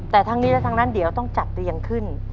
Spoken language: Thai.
แต่ทั้งนี้และทั้งนั้นเดี๋ยวต้องจัดเตียงขึ้น